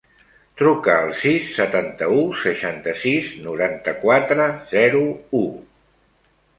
Truca al sis, setanta-u, seixanta-sis, noranta-quatre, zero, u.